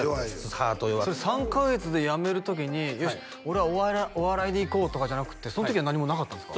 ハート弱くて３カ月でやめる時によし俺はお笑いでいこうとかじゃなくてその時は何もなかったんですか？